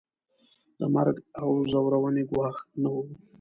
د مرګ او ځورونې ګواښ نه وو.